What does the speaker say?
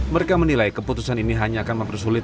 mereka menilai keputusan ini hanya akan mempersulit